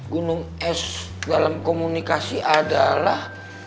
gunung es dalam komunikasi adalah